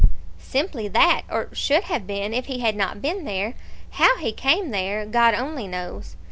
"Simply that; or should have been, if he had not been there. How he came there, God only knows."